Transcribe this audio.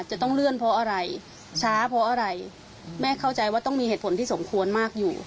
จะต้องเลื่อนเพราะอะไรช้าเพราะอะไรแม่เข้าใจว่าต้องมีเหตุผลที่สมควรมากอยู่